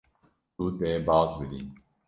Tu dê baz bidî.